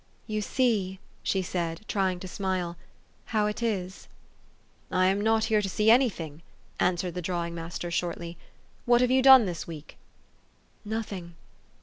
"You see," she said, trying to smile, "how it is.'* "I am not here to see any thing," answered the drawing master shortly. " What have you done this week ?'' "Nothing."